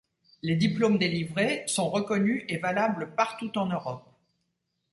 Les diplômes délivrés sont reconnus et valables partout en Europe.